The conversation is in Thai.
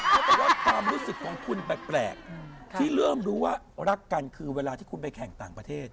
เขาบอกว่าความรู้สึกของคุณแปลกที่เริ่มรู้ว่ารักกันคือเวลาที่คุณไปแข่งต่างประเทศ